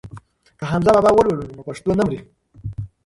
که حمزه بابا ولولو نو پښتو نه مري.